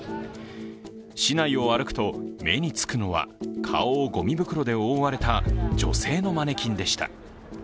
市内を歩くと目につくのは顔をごみ袋で覆われた女性のマネキンでした。